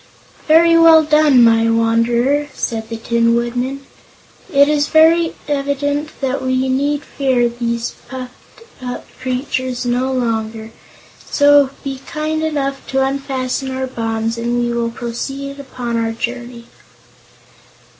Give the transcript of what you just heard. "Very well done, my Wanderer," said the Tin Woodman. "It is evident that we need fear these puffed up creatures no longer, so be kind enough to unfasten our bonds and we will proceed upon our journey."